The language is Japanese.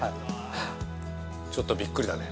ちょっとびっくりだね。